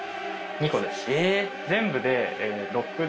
２個です。